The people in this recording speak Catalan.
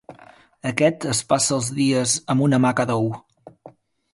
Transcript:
Aquest es passa els dies amb una mà a cada ou.